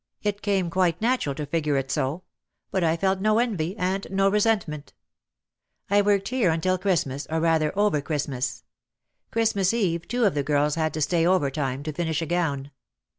It came quite natural to figure it so. But I felt no envy and no resentment. I worked here until Christmas or rather over Christ mas. Christmas Eve two of the girls had to stay over time to finish a gown.